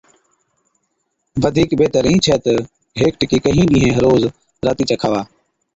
بڌِيڪ بِهتر اِين ڇَي تہ هيڪ ٽِڪِي ڪهِين ڏِينهين هر روز راتِي چَي کاوا۔